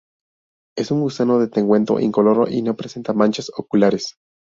Es un gusano de tegumento incoloro y no presenta manchas oculares.